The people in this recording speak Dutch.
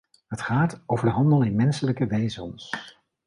Het gaat over de handel in menselijke wezens.